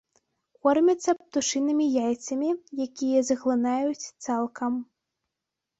Кормяцца птушынымі яйцамі, якія заглынаюць цалкам.